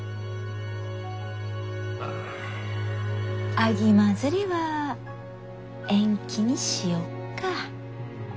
秋まづりは延期にしよっか？